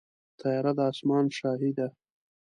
طیاره د اسمان شاهي ده.